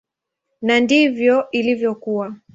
Na ndivyo ilivyokuwa.